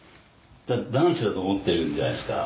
男子だと思ってるんじゃないっすか？